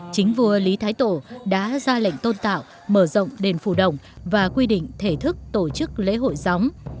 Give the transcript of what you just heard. chính vua lý thái tổ đã ra lệnh tôn tạo mở rộng đền phủ đồng và quy định thể thức tổ chức lễ hội gióng